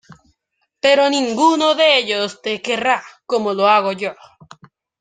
Pero ninguno de ellos te querrá como lo hago yo.